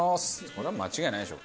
これは間違いないでしょ。